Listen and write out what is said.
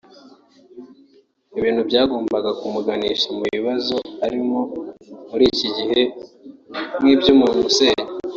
ibintu byagombaga kumuganisha ku bibazo arimo muri iki gihe nk’iby’umuntu usenya